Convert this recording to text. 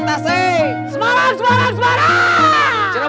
semarang semarang semarang